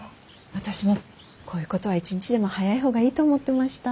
私もこういうことは一日でも早い方がいいと思ってました。